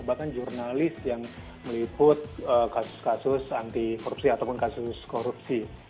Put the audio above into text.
bahkan jurnalis yang meliput kasus kasus anti korupsi ataupun kasus korupsi